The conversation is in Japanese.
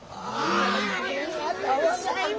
ありがとうございます。